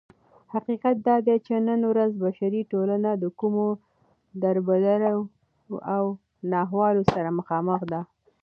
حقيقت دادى چې نن ورځ بشري ټولنه دكومو دربدريو او ناخوالو سره مخامخ ده